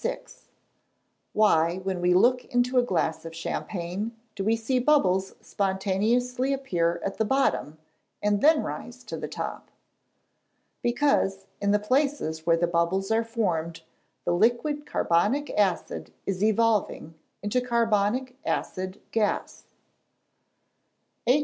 _Why, when we look into a glass of champagne, do we see bubbles spontaneously appear at the bottom, and then rise to the top?_ Because, in the places where the bubbles are formed, the liquid carbonic acid is evolving into carbonic acid gas. 807.